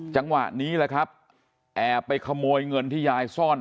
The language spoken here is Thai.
จังหวะนี้แหละครับแอบไปขโมยเงินที่ยายซ่อน